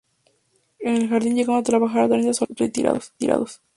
En el jardín llegaron a trabajar treinta soldados retirados.